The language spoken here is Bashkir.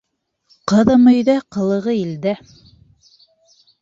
Ҡыҙым өйҙә, ҡылығы илдә.